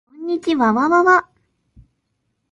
こんにちわわわわ